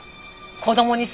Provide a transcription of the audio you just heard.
子供にさ！